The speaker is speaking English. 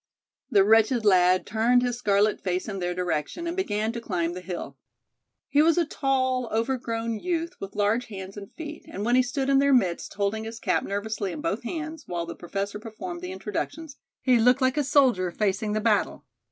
The wretched lad turned his scarlet face in their direction and began to climb the hill. He was a tall, overgrown youth, with large hands and feet, and when he stood in their midst, holding his cap nervously in both hands, while the Professor performed the introductions, he looked like a soldier facing the battle.